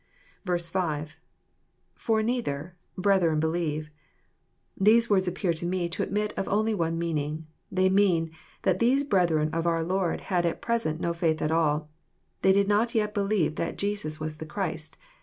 h.—\_For neither... brethren believe.] These words appear to me to admit of only one meaning. They mean, that these brethren of our Lord had at present no faith at all. They did not yet believe that Jesus was the Christ.